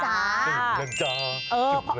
จุดเรือนเจ้าจุดเรือนเจ้า